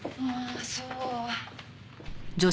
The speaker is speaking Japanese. ああそう。